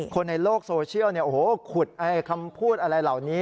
คนในโลกโซเชียลขุดคำพูดอะไรเหล่านี้